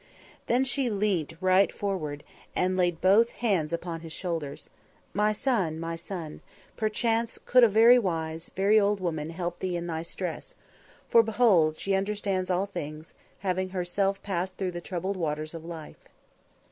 Then she leant right forward, and laid both hands upon his shoulders. "My son, my son, perchance could a very wise, very old woman help thee in thy stress, for behold, she understands all things, having herself passed through the troubled waters of life."